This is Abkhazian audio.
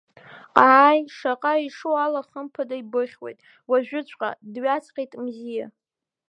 Ҟаи, шаҟа ишу ала хымԥада ибыхьуеит, уажәыҵәҟьа, дҩаҵҟьеит Мзиа.